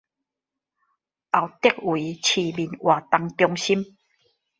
後竹圍市民活動中心